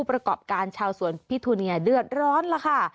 ผู้ประกอบการชาวสวนพิทูเนียเดือดร้อนแล้วค่ะ